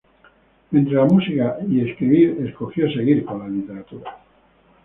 Entre la música y escribir escogió seguir con la literatura.